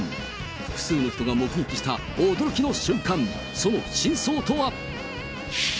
複数の人が目撃した驚きの瞬間、その真相とは。